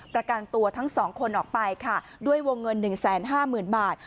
ประกันตัวทั้งสองคนออกไปค่ะด้วยวงเงินหนึ่งแสนห้าหมื่นบาท